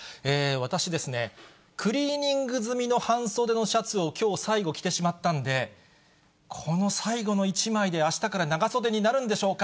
私ですね、クリーニング済みの半袖のシャツをきょう、最後着てしまったんで、この最後の１枚で、あしたから長袖になるんでしょうか。